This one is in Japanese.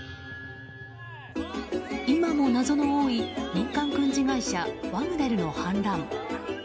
今も謎の多い民間軍事会社ワグネルの反乱。